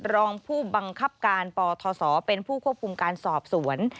รองผู้บังคับการปทศเป็นผู้ควบคุมการสอบสวน